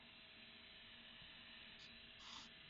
magharibi Katika miji mikubwa watu kukaa kwa